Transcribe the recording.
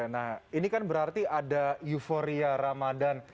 nah ini kan berarti ada euforia ramadan